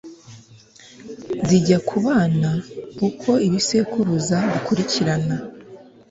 zijya ku bana uko ibisekuruza bikurikirana